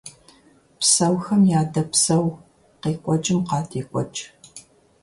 Псэухэм ядэпсэу, къекӀуэкӀым къадекӀуэкӀ.